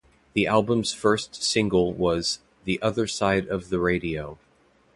The album's first single was "The Other Side of the Radio".